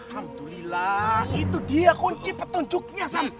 alhamdulillah itu dia kunci petunjuknya